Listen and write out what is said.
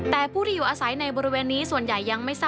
แต่ผู้ที่อยู่อาศัยในบริเวณนี้ส่วนใหญ่ยังไม่ทราบ